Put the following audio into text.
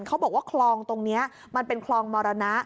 เขาบอกว่าคลองตรงนี้มันเป็นคลองมรณะ